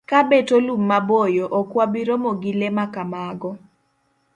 Ka beto lum maboyo, ok wabi romo gi le ma kamago.